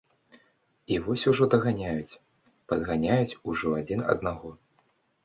І вось ужо даганяюць, падганяюць ужо адзін аднаго.